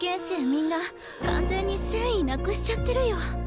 みんな完全に戦意なくしちゃってるよ。